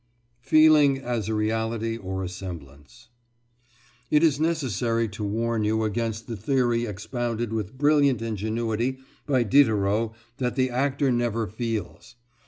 FEELING AS A REALITY OR A SEMBLANCE It is necessary to warn you against the theory expounded with brilliant ingenuity by Diderot that the actor never feels.